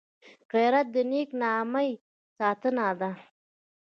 غیرت د نېک نامۍ ساتنه ده